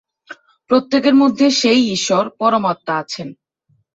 প্রত্যেকের মধ্যেই সেই ঈশ্বর, পরমাত্মা আছেন।